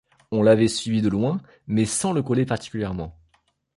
On l’avait suivi de loin, mais sans le coller particulièrement.